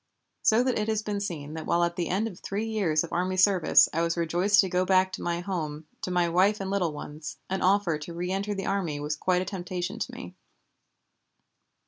So that it has been seen that while at the end of three years of army service I was rejoiced to go back to my home, to my wife and little ones, an offer to reënter the army was quite a temptation to me.